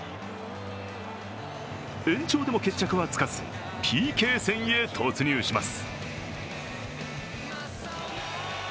延長でも決着はつかずＰＫ戦へ突入します。